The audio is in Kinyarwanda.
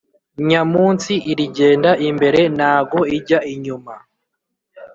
Nyamunsi irigenda imbere nago ijya inyuma